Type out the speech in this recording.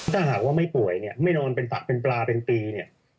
ถ้าหากว่าไม่ป่วยเนี่ยไม่นอนเป็นตักเป็นปลาเป็นปีเนี่ย